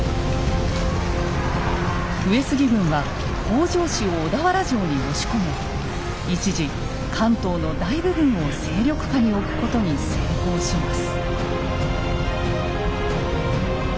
上杉軍は北条氏を小田原城に押し込め一時関東の大部分を勢力下に置くことに成功します。